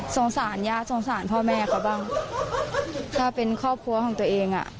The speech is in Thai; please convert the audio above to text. สงสารย่าสงสารพ่อแม่เขาบ้างถ้าเป็นครอบครัวของตัวเองอ่ะ